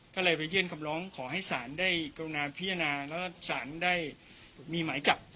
ก็เลยไปยื่นคำร้องขอให้ศาลได้กรุณาพิจารณาแล้วสารได้มีหมายจับ